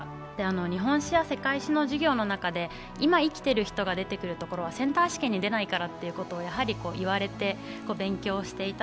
日本史や世界史の授業の中で今生きている人の話はセンター試験に出ないからということを言われて勉強していた。